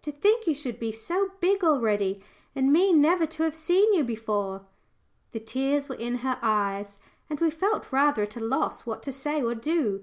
to think you should be so big already, and me never to have seen you before!" The tears were in her eyes, and we felt rather at a loss what to say or do.